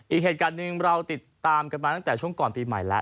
อีกเหตุการณ์หนึ่งเราติดตามกันมาตั้งแต่ช่วงก่อนปีใหม่แล้ว